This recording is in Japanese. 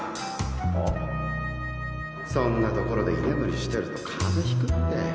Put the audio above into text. あそんなところで居眠りしてると風邪ひくって。